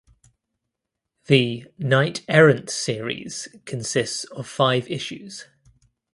The "Knight Errant" series consist of five issues.